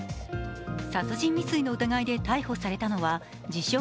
殺人未遂の疑いで逮捕されたのは自称